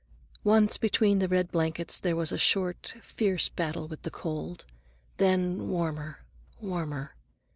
Once between the red blankets there was a short, fierce battle with the cold; then, warmer—warmer.